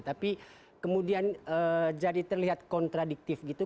tapi kemudian jadi terlihat kontradiktif gitu